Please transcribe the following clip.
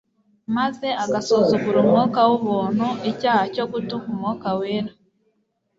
maze agasuzugura umwuka w'ubuntu. Icyaha cyo gutuka Umwuka Wera,